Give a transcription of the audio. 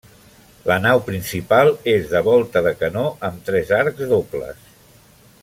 La nau principal és de volta de canó, amb tres arcs dobles.